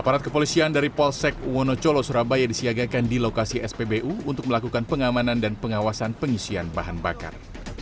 aparat kepolisian dari polsek wonocolo surabaya disiagakan di lokasi spbu untuk melakukan pengamanan dan pengawasan pengisian bahan bakar